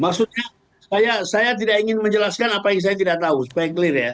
maksudnya saya tidak ingin menjelaskan apa yang saya tidak tahu supaya clear ya